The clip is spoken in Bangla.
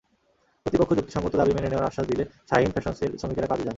কর্তৃপক্ষ যুক্তিসংগত দাবি মেনে নেওয়ার আশ্বাস দিলে শাহীন ফ্যাশনসের শ্রমিকেরা কাজে যান।